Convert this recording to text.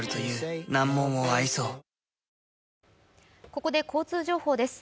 ここで交通情報です。